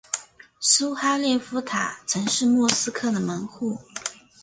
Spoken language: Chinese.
苏哈列夫塔曾是莫斯科的门户。